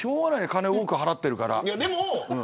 金を多く払っているから。